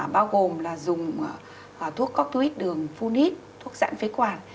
bao gồm là dùng thuốc coctuit đường phun hít thuốc dạng phế quản